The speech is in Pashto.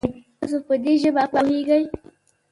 تاسو په دي ژبه پوهږئ؟